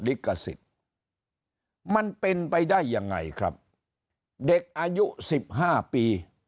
ลิขสิทธิ์มันเป็นไปได้ยังไงครับเด็กอายุสิบห้าปี